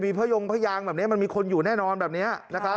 พระยงพระยางแบบนี้มันมีคนอยู่แน่นอนแบบนี้นะครับ